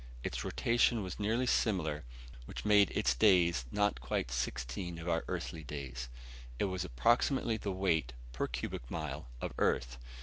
Its rotation was nearly similar, which made its days not quite sixteen of our earthly days. It was of approximately the weight, per cubic mile, of Earth.